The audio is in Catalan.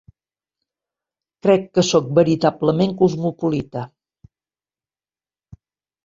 Crec que sóc veritablement cosmopolita.